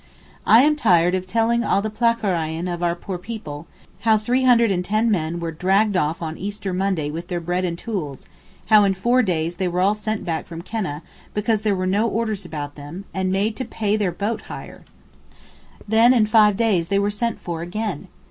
I am tired of telling all the plackereien of our poor people, how three hundred and ten men were dragged off on Easter Monday with their bread and tools, how in four days they were all sent back from Keneh, because there were no orders about them, and made to pay their boat hire. Then in five days they were sent for again.